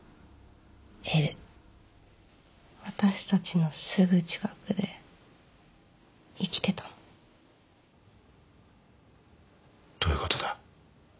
私たちのすぐ近くで生きてたのどういうことだ？